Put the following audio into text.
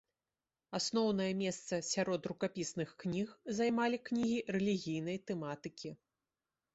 Асноўнае месца сярод рукапісных кніг займалі кнігі рэлігійнай тэматыкі.